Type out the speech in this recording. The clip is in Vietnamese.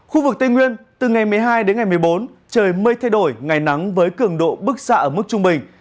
khu vực tây nguyên từ ngày một mươi hai đến ngày một mươi bốn trời mây thay đổi ngày nắng với cường độ bức xạ ở mức trung bình